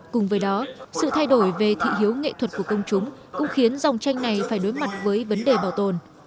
cùng với đó sự thay đổi về thị hiếu nghệ thuật của công chúng cũng khiến dòng tranh này phải đối mặt với vấn đề bảo tồn